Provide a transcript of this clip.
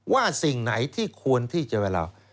สิ่งไหนที่ควรที่จะเวลา